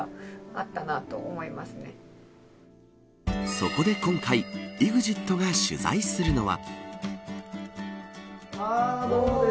そこで今回ＥＸＩＴが取材するのは。